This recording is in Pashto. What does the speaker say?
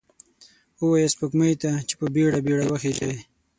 ووایه سپوږمۍ ته، چې په بیړه، بیړه وخیژئ